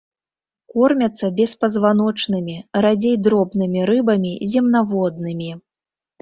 Кормяцца беспазваночнымі, радзей дробнымі рыбамі, земнаводнымі.